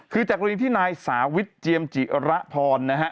คือจากกรณีที่นายสาวิทเจียมจิระพรนะฮะ